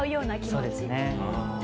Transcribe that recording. そうですね。